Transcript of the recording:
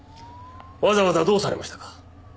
わざわざどうされましたか？